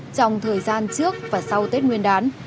trong thời gian trước và sau tết nguyên đán